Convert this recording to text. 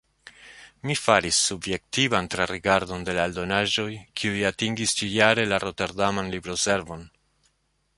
Mi faris subjektivan trarigardon de la eldonaĵoj kiuj atingis ĉi-jare la roterdaman libroservon.